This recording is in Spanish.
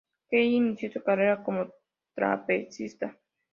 Kelly inició su carrera como trapecista.